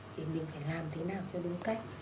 để mình phải làm thế nào cho đến cách